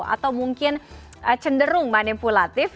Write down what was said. atau mungkin cenderung manipulatif